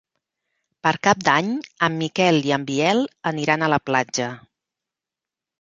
Per Cap d'Any en Miquel i en Biel aniran a la platja.